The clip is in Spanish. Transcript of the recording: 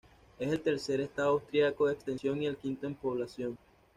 Es el tercer estado austriaco en extensión y el quinto en población.